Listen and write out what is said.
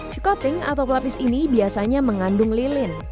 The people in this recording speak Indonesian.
shoe coating atau kelapis ini biasanya mengandung lilin